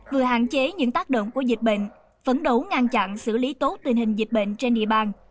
vừa hạn chế những tác động của dịch bệnh phấn đấu ngăn chặn xử lý tốt tình hình dịch bệnh trên địa bàn